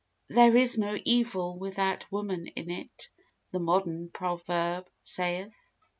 "There is no evil without woman in it," The modern proverb saith.